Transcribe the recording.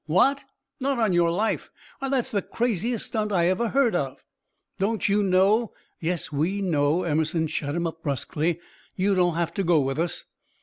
"What! Not on your life! Why, that's the craziest stunt I ever heard of. Don't you know " "Yes, we know," Emerson shut him up, brusquely. "You don't have to go with us."